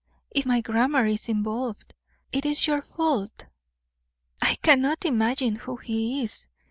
If my grammar is involved, it is your fault." "I cannot imagine who he is!"